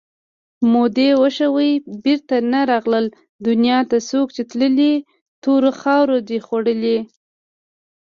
مودې وشوې بېرته نه راغله دنیا ته څوک چې تللي تورو مخاورو دي خوړلي